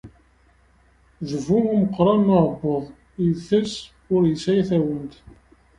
D bu umeqqran n uɛebbuḍ, itett ur yesɛi tawant.